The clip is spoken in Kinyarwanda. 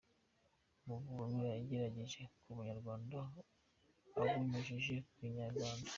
Mu butumwa yagejeje ku banyarwanda abunyujije ku Inyarwanda.